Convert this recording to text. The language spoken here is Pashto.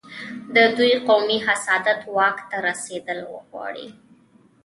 د دوی قومي حسادت واک ته رسېدل غواړي.